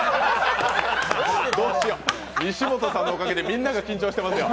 西本さんのおかげでみんなが緊張してますよ。